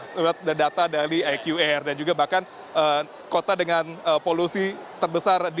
surat data dari iqr dan juga bahkan kota dengan polusi terbesar